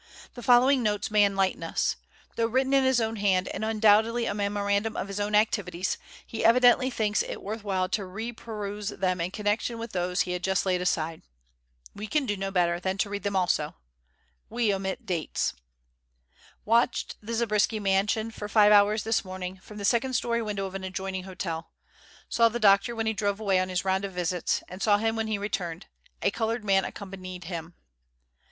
The following notes may enlighten us. Though written in his own hand, and undoubtedly a memorandum of his own activities, he evidently thinks it worth while to reperuse them in connection with those he had just laid aside. We can do no better than read them also. We omit dates. Watched the Zabriskie mansion for five hours this morning, from the second story window of an adjoining hotel. Saw the doctor when he drove away on his round of visits, and saw him when he returned. A coloured man accompanied him.